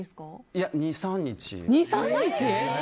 いや２３日で。